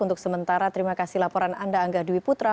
untuk sementara terima kasih laporan anda angga dwi putra